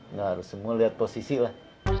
nggak harus semua lihat posisi lah